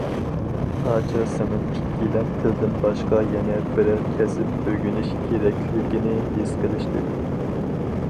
ئاچا- سىڭىل ئىككىيلەن تىلدىن باشقا يەنە بىرەر كەسىپ ئۆگىنىش كېرەكلىكىنى ھېس قىلىشتى.